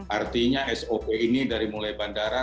artinya sop ini dari mulai bandara